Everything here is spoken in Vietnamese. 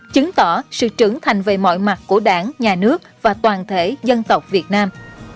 chứng tỏ sự trưởng thành về mọi mặt của đảng nhà nước và toàn thể dân tộc việt nam